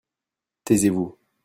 taisez-vous.